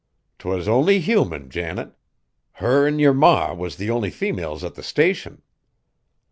"'T was only human, Janet, her an' yer ma was the only females at the Station.